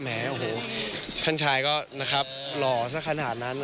ท่านชายก็หน้าครับหล่อสักขนาดนั้น